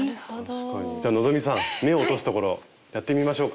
じゃあ希さん目を落とすところやってみましょうか。